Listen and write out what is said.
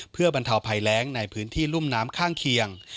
เพื่อบรรเทาภัยแรงในพื้นที่รุ่มน้ำข้างเคียง